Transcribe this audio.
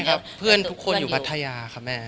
ครับเพื่อนทุกคนอยู่พัทยาค่ะแม่